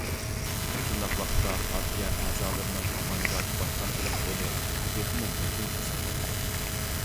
مۇشۇنداق ۋاقىتتا، پارتىيە ئەزالىرىنىڭ ئاۋانگارت، باشلامچىلىق رولى تېخىمۇ مۇھىم ھېسابلىنىدۇ.